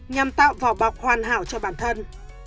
nhằm tạo vỏ bọc hoàn hảo cho bản thân